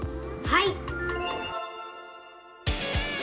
はい！